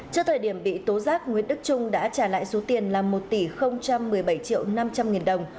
trước thời điểm bị tố giác nguyễn đức trung đã trả lại số tiền là một tỷ một mươi bảy triệu năm trăm linh nghìn đồng